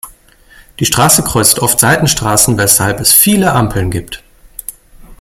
Die Straße kreuzt oft Seitenstraßen, weshalb es viele Ampeln gibt.